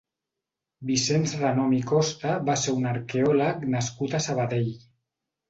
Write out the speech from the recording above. Vicenç Renom i Costa va ser un arqueòleg nascut a Sabadell.